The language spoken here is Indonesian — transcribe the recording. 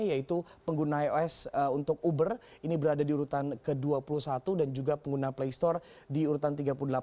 yaitu pengguna ios untuk uber ini berada di urutan ke dua puluh satu dan juga pengguna play store di urutan tiga puluh delapan